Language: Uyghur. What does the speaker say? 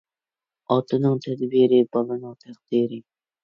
ئاتىنىڭ تەدبىرى بالىنىڭ تەقدىرى.